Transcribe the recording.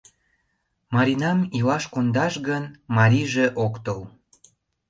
Маринам илаш кондаш гын, марийже ок тол.